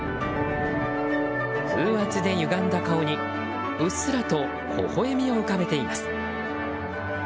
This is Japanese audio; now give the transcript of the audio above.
風圧でゆがんだ顔に、うっすらとほほ笑みを浮かべています。